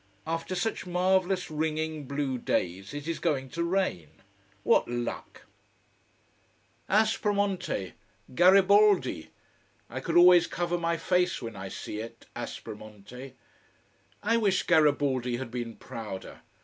After such marvelous ringing blue days, it is going to rain. What luck! Aspromonte! Garibaldi! I could always cover my face when I see it, Aspromonte. I wish Garibaldi had been prouder.